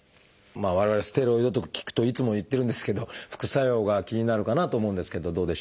我々ステロイドとか聞くといつも言ってるんですけど副作用が気になるかなと思うんですけどどうでしょう？